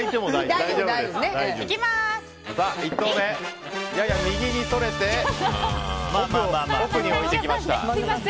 １投目やや右にそれて奥に置いてきました。